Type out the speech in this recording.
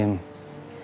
orang yang mengaku nabi